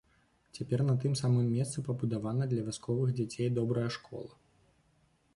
Цяпер на тым самым месцы пабудавана для вясковых дзяцей добрая школа.